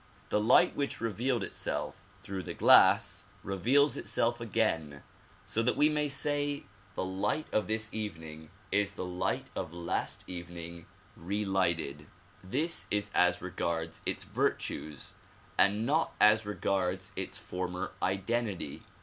The light which revealed itself through the glass reveals itself again so that we can say the light of this evening is the light of last evening relighted. This is as regards its virtues and not as regards its former identity.